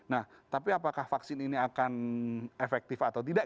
nah tapi apakah vaksin ini akan efektif atau tidak